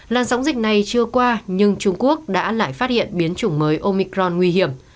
làn sóng dịch này chưa qua nhưng trung quốc đã lại phát hiện biến chủng mới omicron nguy hiểm